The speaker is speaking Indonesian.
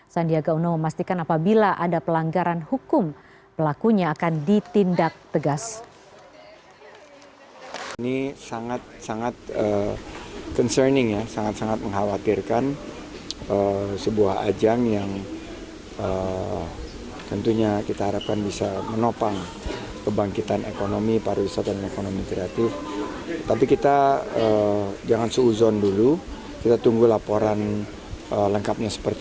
sadiaga uno memastikan apabila ada pelanggaran hukum pelakunya akan ditindak tegas